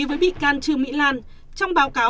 với bị can trương mỹ lan trong báo cáo